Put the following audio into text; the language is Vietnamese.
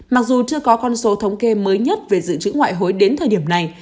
mặc dù chưa có con số thống kê mới nhất về dự trữ ngoại hối đến thời điểm này